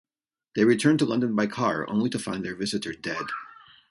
They return to London by car, only to find their visitor dead.